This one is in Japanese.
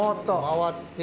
回って。